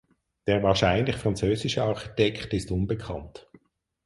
Der wahrscheinlich französische Architekt ist unbekannt.